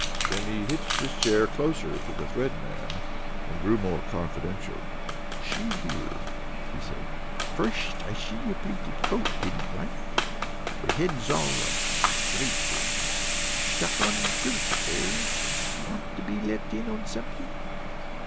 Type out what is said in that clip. Then he hitched his chair closer to the Thread Man, and grew more confidential. "Shee here," he said. "Firsht I see your pleated coat, didn't like. But head's all right. Great head! Sthuck on frillsh there! Want to be let in on something?